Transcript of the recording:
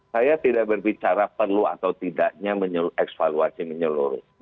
saya tidak berbicara perlu atau tidaknya evaluasi menyeluruh